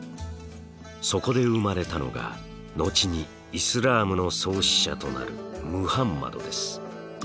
そこで生まれたのが後にイスラームの創始者となるムハンマドです。